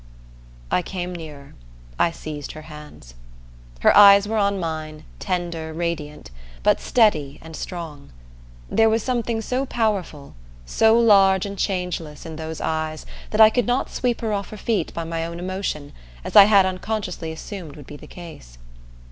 I came nearer. I seized her hands. Her eyes were on mine, tender radiant, but steady and strong. There was something so powerful, so large and changeless, in those eyes that I could not sweep her off her feet by my own emotion as I had unconsciously assumed would be the case.